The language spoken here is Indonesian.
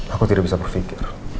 aku tidak bisa berpikir